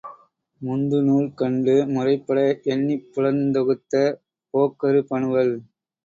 முந்துநூல் கண்டு முறைப்பட எண்ணிப் புலந்தொகுத்த போக்கறு பனுவல்